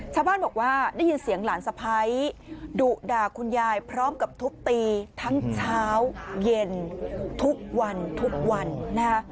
ชาวบ้านบอกว่าได้ยินเสียงหลานสะพ้ายดุด่าคุณยายพร้อมกับทุบตีทั้งเช้าเย็นทุกวันทุกวันนะคะ